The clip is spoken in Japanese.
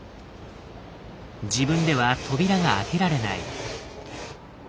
自分では扉が開けられない。